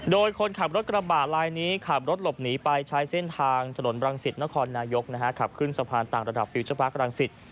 โดยคนขับรถกระบะลายนี้ขับรถหลบหนีไปใช้เส้นทางถนนบรังสิตนครนายกขับขึ้นสะพานต่างระดับฟิวเจอร์พาร์ครังสิต